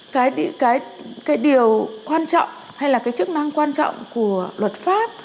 cái điều quan trọng hay là cái chức năng quan trọng của luật pháp